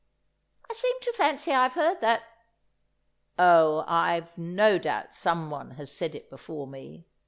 "I seem to fancy I've heard that——" "Oh, I've no doubt someone has said it before me.